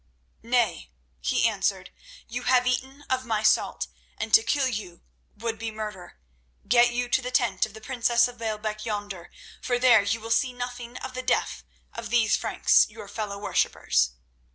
"Nay," he answered; "you have eaten of my salt, and to kill you would be murder. Get you to the tent of the princess of Baalbec yonder, for there you will see nothing of the death of these Franks, your fellow worshippers."